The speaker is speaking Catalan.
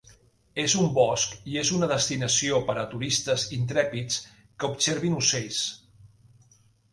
És un bosc, i és una destinació per a turistes intrèpids que observin ocells.